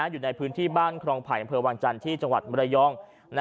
อยู่ในพื้นที่บ้านครองไผ่อำเภอวังจันทร์ที่จังหวัดมรยอง